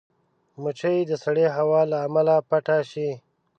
مچمچۍ د سړې هوا له امله پټه شي